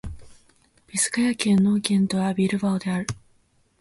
ビスカヤ県の県都はビルバオである